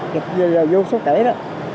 chụp vô số kể đó